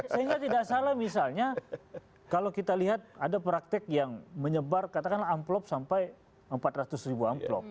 sehingga tidak salah misalnya kalau kita lihat ada praktek yang menyebar katakanlah amplop sampai empat ratus ribu amplop